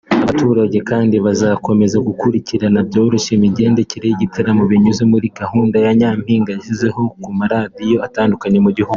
Abaturage kandi bazakurikirana byoroshye imigendekere y’igitaramo binyuze muri gahunda Ni Nyampinga yashyizeho ku maradiyo atandukanye mu gihugu